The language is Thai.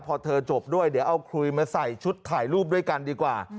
พอเธอจบด้วยเดี๋ยวเอาคุยมาใส่ชุดถ่ายรูปด้วยกันดีกว่า